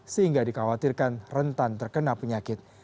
sehingga dikhawatirkan rentan terkena penyakit